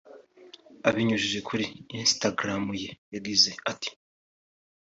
Abinyujije kuri Instagram ye yagize ati